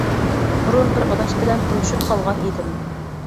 بۇرۇن بىر ئاداش بىلەن تونۇشۇپ قالغان ئىدىم.